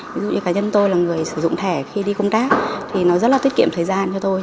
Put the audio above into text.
ví dụ như cá nhân tôi là người sử dụng thẻ khi đi công tác thì nó rất là tiết kiệm thời gian cho tôi